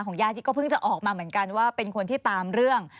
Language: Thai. ญาติที่ก็เพิ่งจะออกมาเหมือนกันว่าเป็นคนที่ตามเรื่อง